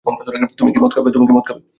তুমি কি মদ খাবে?